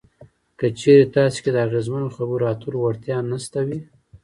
که چېرې تاسې کې د اغیزمنو خبرو اترو وړتیا نشته وي.